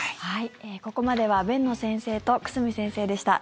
ここまでは辨野先生と久住先生でした。